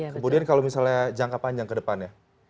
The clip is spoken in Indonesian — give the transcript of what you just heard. kemudian kalau misalnya jangka panjang ke depannya